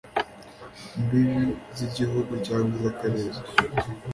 mbibi z igihugu cyangwa iz akarere